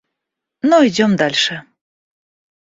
Но идем дальше.